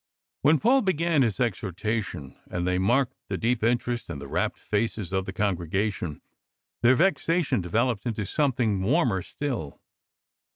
Wlien Paul began his exhortation, and they BY LAND AND SEA 41 marked the deep interest and the rapt faces of the congregation, their vexation developed into something warmer still.